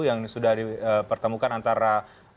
yang sudah dipertemukan antara